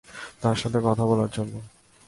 তার সাথে কথা বলার জন্য।